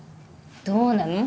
どうなの？